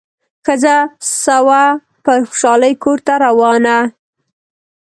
ښځه سوه په خوشالي کورته روانه